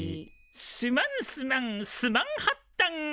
すまんすまんスマンハッタン。